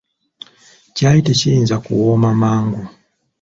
Kyali tekiyinza kuwoma mangu.